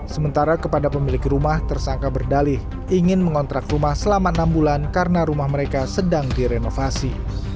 sementara kepada pemilik rumah tersangka berdalih ingin mengontrak rumah selama enam bulan karena rumah mereka sedang direnovasi